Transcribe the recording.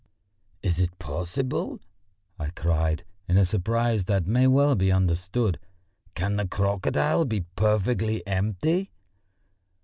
"Is it possible?" I cried, in a surprise that may well be understood. "Can the crocodile be perfectly empty?"